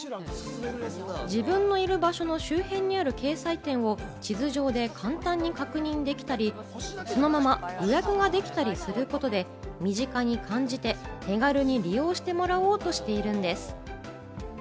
自分のいる場所の周辺にある掲載店を地図上で簡単に確認できたり、そのまま予約ができたりすることで、身近に感じて、手軽に利用してもらおうとしているんです。